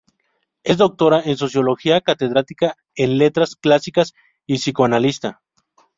Es doctora en Sociología, catedrática en Letras Clásicas y psicoanalista.